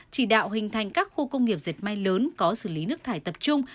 chỉ đạo hình thành các khu công nghiệp dệt may lớn có xử lý nước thải tập trung